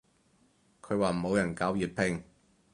佢話冇人教粵拼